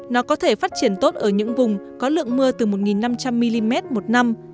nó có thể phát triển tốt ở những vùng có lượng mưa từ một năm trăm linh mm một năm